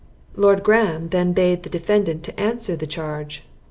Lord Graham then bade the defendant answer to the charge.